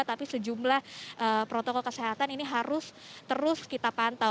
tapi sejumlah protokol kesehatan ini harus terus kita pantau